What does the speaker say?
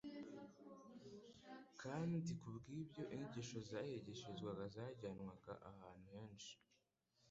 kandi kubw'ibyo inyigisho zahigishirizwaga zajyanwaga ahantu henshi